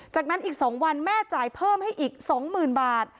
จากนั้นอีกสองวันแม่จ่ายเพิ่มให้อีกสองหมื่นบาท